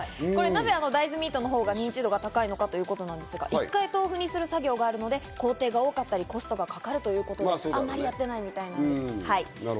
なぜ大豆ミートのほうが認知度が高いかというと、１回豆腐にするということで工程がかかったり、コストがかかるということであまりやってないみたいです。